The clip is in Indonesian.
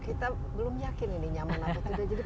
kita belum yakin ini nyaman atau tidak